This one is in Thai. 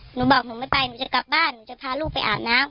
หนูบอกหนูไม่ไปหนูจะกลับบ้านหนูจะพาลูกไปอาบน้ำ